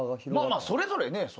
それぞれね